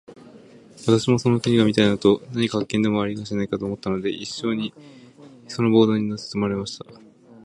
私もその国が見たいのと、何か発見でもありはしないかと思ったので、一しょにそのボートに乗せてもらいました。